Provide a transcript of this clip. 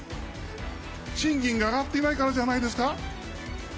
賃金が上がっていないからじゃないですか。